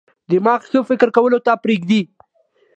دماغ ښه فکر کولو ته پریږدي.